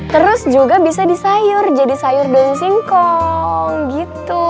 terus juga bisa disayur jadi sayur daun singkong gitu